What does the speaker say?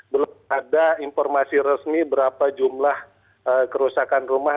belum ada informasi resmi berapa jumlah kerusakan rumah